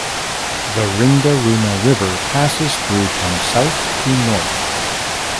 The Ringarooma River passes through from south to north.